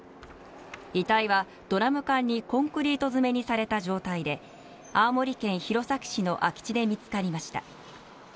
遺体はドラム缶にコンクリート詰めにされた状態で青森県弘前市の空き地で見つかりました。